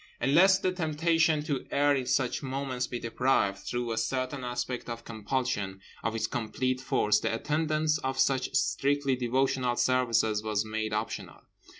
And lest the temptation to err in such moments be deprived, through a certain aspect of compulsion, of its complete force, the attendance of such strictly devotional services was made optional.